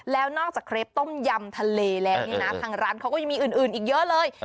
แล้วนอกจากเครปต้มยำทะเลแล้วเนี่ยนะทางร้านเขาก็ยังมีอื่นอีกเยอะเลย